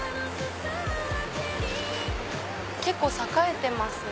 結構栄えてますね。